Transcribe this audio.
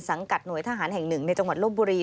หน่วยทหารแห่งหนึ่งในจังหวัดลบบุรี